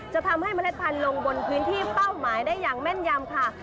จะทำให้เมล็ดพันธุ์ลงบนพื้นที่เป้าหมายได้อย่างแม่นยำค่ะ